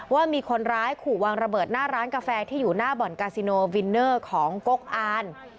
ว่ามีคนร้ายขู่วางระเบิดหน้าร้านกาแฟที่อยู่หน้าบ่อนกาซิโนวินเนอร์ของกกอาน